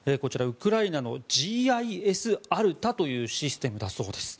ウクライナのＧＩＳＡｒｔａというシステムだそうです。